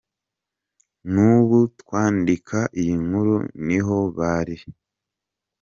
N’ubu twandika iyi nkuru niho bari.